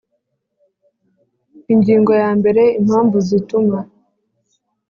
Ingingo ya mbere Impamvu zituma